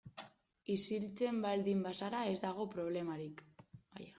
Isiltzen baldin bazara ez dago problemarik.